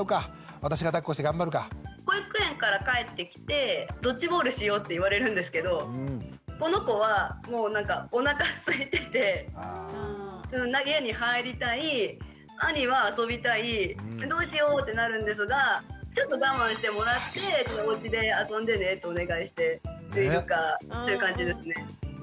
保育園から帰ってきて「ドッジボールしよう」って言われるんですけどこの子はもうなんかおなかすいてて家に入りたい兄は遊びたいどうしようってなるんですがちょっと我慢してもらって「おうちで遊んでね」とお願いしているかという感じですね。